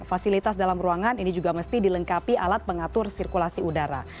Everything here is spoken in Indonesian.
fasilitas dalam ruangan ini juga mesti dilengkapi alat pengatur sirkulasi udara